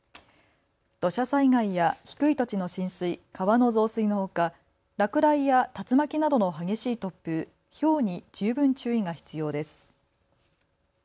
土砂災害や低い土地の浸水、川の増水のほか落雷や竜巻などの激しい突風、ひょうに十分注意が必要です。